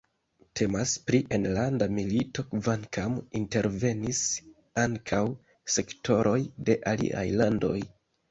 Temas pri enlanda milito, kvankam intervenis ankaŭ sektoroj de aliaj landoj.